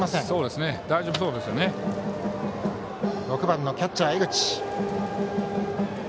６番のキャッチャー江口。